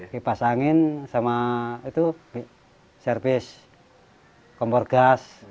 kipas angin sama itu servis kompor gas